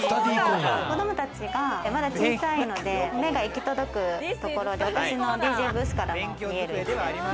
子供たちがまだ小さいので、目が行き届くところで私のＤＪブースからも見える位置で。